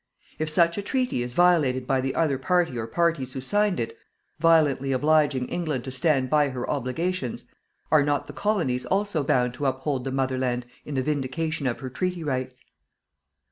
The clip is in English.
If such a treaty is violated by the other party or parties who signed it, violently obliging England to stand by her obligations, are not the Colonies also bound to uphold the Mother land in the vindication of her treaty rights?!